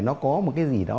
nó có một cái gì đó